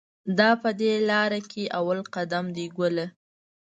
دا په دې لار کې اول قدم دی ګله.